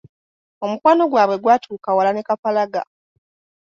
Omukwano gwabwe gwatuuka wala ne Kapalaga.